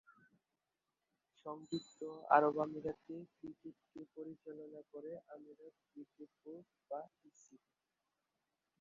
সংযুক্ত আরব আমিরাতে ক্রিকেটকে পরিচালনা করে আমিরাত ক্রিকেট বোর্ড বা ইসিবি।